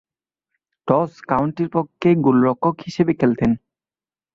Toss কাউন্টির পক্ষে গোলরক্ষক হিসেবে খেলতেন।